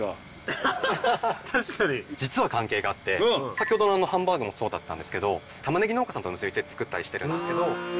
先ほどのハンバーグもそうだったんですけど玉ねぎ農家さんと作ったりしてるんですけど。